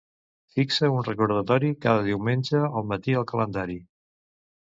Fixa un recordatori cada diumenge al matí al calendari.